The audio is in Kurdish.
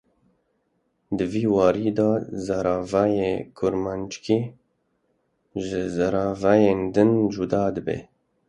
Di vî warî de zaravayê kirmanckî ji zaravayên din cuda dibe